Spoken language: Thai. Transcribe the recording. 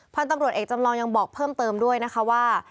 พันธุ์ตำรวจเอกจำลองยังบอกเพิ่มเติมด้วยนะคะว่า